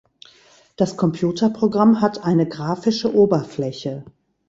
Das Computerprogramm hat eine grafischer Oberfläche.